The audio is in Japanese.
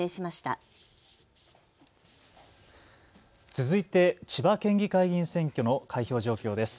続いて千葉県議会議員選挙の開票状況です。